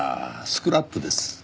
スクラップです。